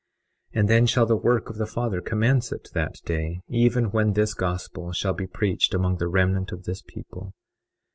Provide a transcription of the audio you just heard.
21:26 And then shall the work of the Father commence at that day, even when this gospel shall be preached among the remnant of this people.